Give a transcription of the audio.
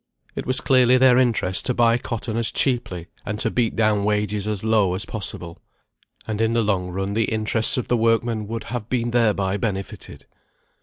It was clearly their interest to buy cotton as cheaply, and to beat down wages as low as possible. And in the long run the interests of the workmen would have been thereby benefited.